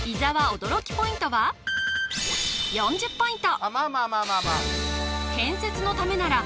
驚きポイントは４０ポイント